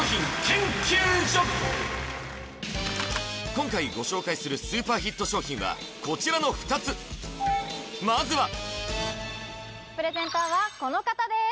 今回ご紹介するスーパーヒット商品はこちらの２つまずはプレゼンターはこの方です